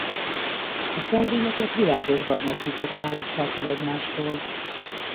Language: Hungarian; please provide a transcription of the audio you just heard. A szelvényeket világosbarna csíkok választják el egymástól.